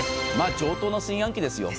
上等の炊飯器ですよ。